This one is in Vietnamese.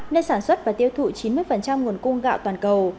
nên sản xuất và tiêu thụ chín mươi nguồn nước